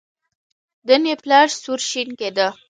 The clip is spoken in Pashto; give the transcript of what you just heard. نن یې پلار سور شین کېده.